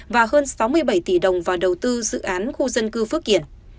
và hơn sáu mươi bảy tỷ đồng vào đầu tư dự án khu dân cư phước kiển